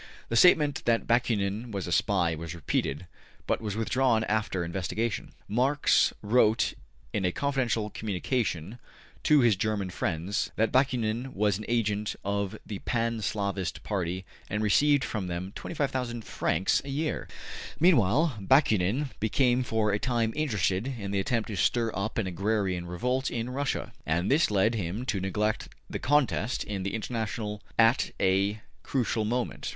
The statement that Bakunin was a spy was repeated, but was withdrawn after investigation. Marx wrote in a confidential communication to his German friends that Bakunin was an agent of the Pan Slavist party and received from them 25,000 francs a year. Meanwhile, Bakunin became for a time interested in the attempt to stir up an agrarian revolt in Russia, and this led him to neglect the contest in the International at a crucial moment.